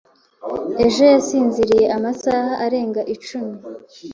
Ejo yasinziriye amasaha arenga icumi.